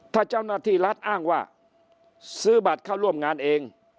ถ้าเจ้าหน้าที่รัฐอ้างว่าซื้อบัตรเข้าร่วมงานเอง